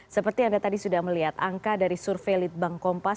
seperti anda tadi sudah melihat angka dari survei litbang kompas